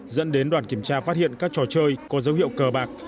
dẫn đến đoàn kiểm tra phát hiện các trò chơi có dấu hiệu cờ bạc